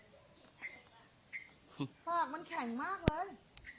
ปากมันแข็งมากเลย